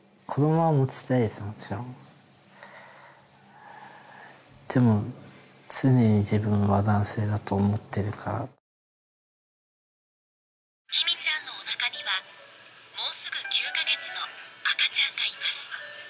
もちろんでも常に自分は男性だと思ってるからきみちゃんのおなかにはもうすぐ９カ月の赤ちゃんがいます